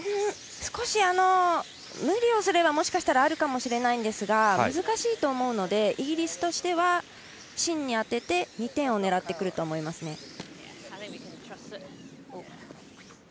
少し、無理をすればもしかしたらあるかもしれないんですが難しいと思うのでイギリスとしては芯に当てて２点を狙ってくると思いますね。